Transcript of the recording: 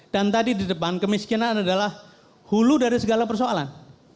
dan tadi di depan kemiskinan adalah hulu dari segala persoalan